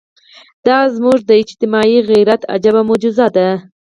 دا زموږ د اجتماعي غیرت عجیبه معجزه ده.